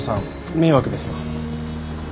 迷惑ですか？